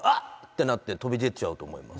てなって飛び出ちゃうと思います。